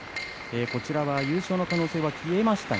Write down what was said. こちらは優勝の可能性は消えました。